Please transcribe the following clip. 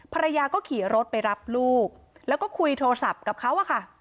ภรรยาก็ขี่รถไปรับลูกแล้วก็คุยโทรศัพท์กับเขาอะค่ะ